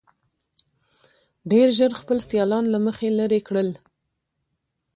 ډېر ژر خپل سیالان له مخې لرې کړل.